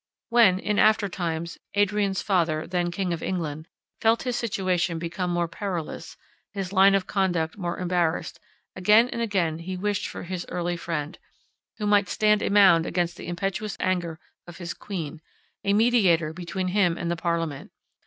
When, in after times, Adrian's father, then king of England, felt his situation become more perilous, his line of conduct more embarrassed, again and again he wished for his early friend, who might stand a mound against the impetuous anger of his queen, a mediator between him and the parliament.